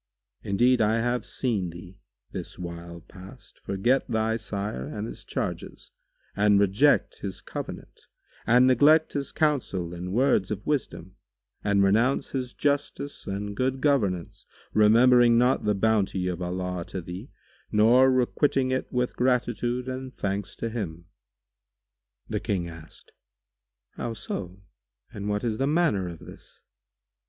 Indeed, I have seen thee, this while past, forget thy sire and his charges and reject his covenant and neglect his counsel and words of wisdom and renounce his justice and good governance, remembering not the bounty of Allah to thee neither requiting it with gratitude and thanks to Him." The King asked, "How so? And what is the manner of this?"